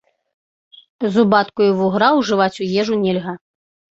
Зубатку і вугра ўжываць у ежу нельга.